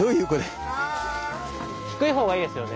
低い方がいいですよね。